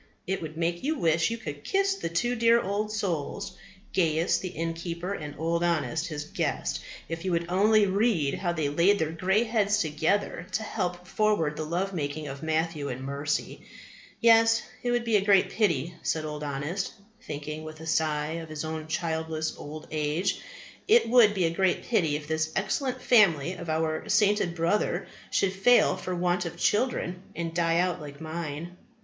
It would make you wish you could kiss the two dear old souls, Gaius the innkeeper and Old Honest his guest, if you would only read how they laid their grey heads together to help forward the love making of Matthew and Mercy. Yes, it would be a great pity, said Old Honest, thinking with a sigh of his own childless old age, it would be a great pity if this excellent family of our sainted brother should fail for want of children, and die out like mine.